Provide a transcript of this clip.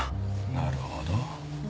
なるほど。